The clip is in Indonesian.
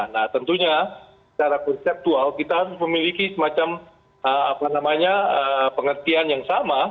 nah tentunya secara konseptual kita harus memiliki semacam pengertian yang sama